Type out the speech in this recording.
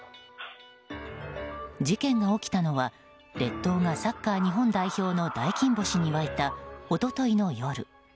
事件が起きたのは列島が、サッカー日本代表の大金星に沸いた一昨日の夜。